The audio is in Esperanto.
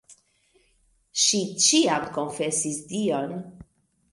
Ŝi ĉiam konfesis dion.